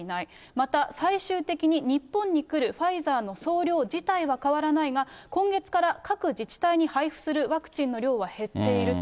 また、最終的に日本に来るファイザーの総量自体は変わらないが、今月から各自治体に配布するワクチンの量は減っていると。